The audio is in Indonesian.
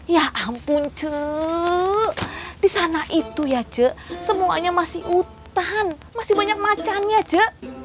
ya ampun ce disana itu ya ce semuanya masih hutan masih banyak macan ya ce